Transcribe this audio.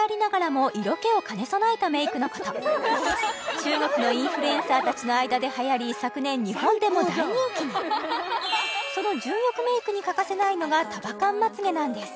中国のインフルエンサーたちの間で流行り昨年日本でも大人気にその純欲メイクに欠かせないのが束感まつげなんです